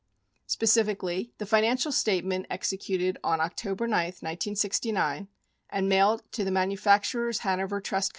Specifically, the financial statement executed on October 9, 1969, and mailed to the Manufacturers Hanover Trust Co.